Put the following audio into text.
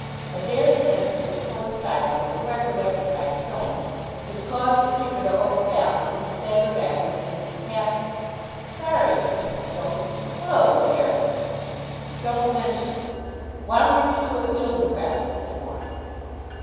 Adair's entrance coincided with a record effort by Stone, which caused the kicker to overbalance and stagger backwards against the captain. "Sorry," said Stone. "Hullo, Adair!" "Don't mention it. Why weren't you two at fielding practice this morning?"